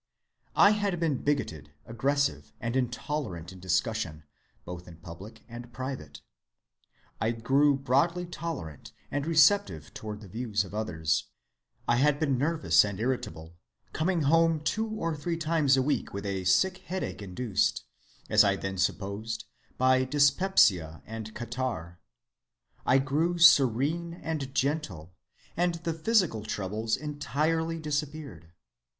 "I had been bigoted, aggressive, and intolerant in discussion, both in public and private. I grew broadly tolerant and receptive toward the views of others. I had been nervous and irritable, coming home two or three times a week with a sick headache induced, as I then supposed, by dyspepsia and catarrh. I grew serene and gentle, and the physical troubles entirely disappeared.